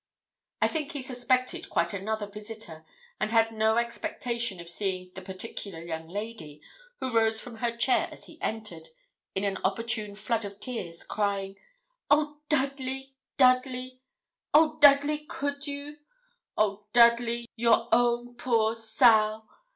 I think he suspected quite another visitor, and had no expectation of seeing the particular young lady, who rose from her chair as he entered, in an opportune flood of tears, crying 'Oh, Dudley, Dudley! oh, Dudley, could you? Oh, Dudley, your own poor Sal!